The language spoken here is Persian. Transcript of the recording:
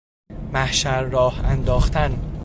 محشر راه انداختن